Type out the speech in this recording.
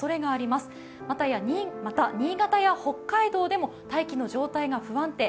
また、新潟や北海道でも大気の状態が不安定。